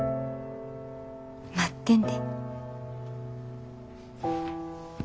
待ってんで。